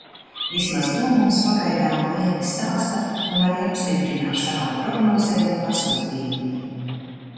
Vismaz to mums pagaidām klienti stāsta un arī apstiprina ar savām prognozēm un pasūtījumiem.